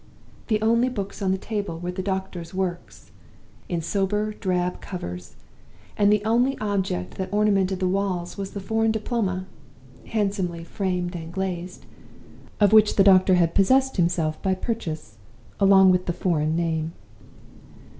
The only books on the table were the doctor's Works, in sober drab covers; and the only object that ornamented the walls was the foreign Diploma (handsomely framed and glazed), of which the doctor had possessed himself by purchase, along with the foreign name.